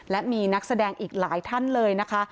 และมีนักแสดงอีกหลายท่านเลยนะคะ